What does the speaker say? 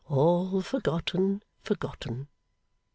All forgotten, forgotten!